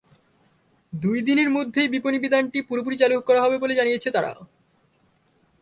দুই দিনের মধ্যেই বিপণিবিতানটি পুরোপুরি চালু করা যাবে বলে জানিয়েছে তারা।